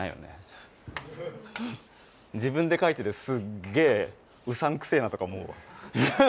自分で書いててすっげえうさんくせえなとか思うわ。